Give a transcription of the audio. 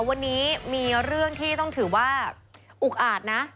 วันนี้มีเรื่องที่ต้องถือว่าอุกอาจนะ